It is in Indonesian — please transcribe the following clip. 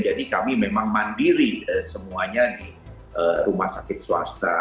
kami memang mandiri semuanya di rumah sakit swasta